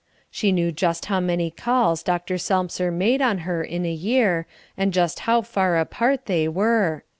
She knew just how many calls Dr. Selmser made on her in a year, and just how far apart they were.